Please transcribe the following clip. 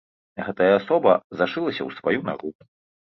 Гэтая асоба зашылася ў сваю нару.